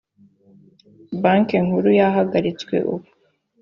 banki nkuru yahagaritswe ubu